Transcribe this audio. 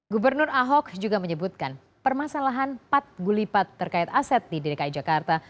gubernur ahok juga menyebutkan permasalahan pat gulipat terkait aset di dki jakarta